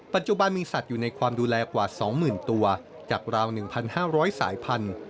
ปัจจุบันมีสัตว์อยู่ในความดูแลกว่า๒๐๐๐ตัวจากราว๑๕๐๐สายพันธุ